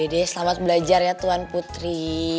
ide selamat belajar ya tuan putri